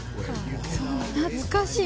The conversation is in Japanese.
懐かしい。